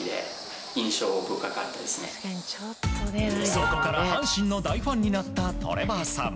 そこから阪神の大ファンになったトレバーさん。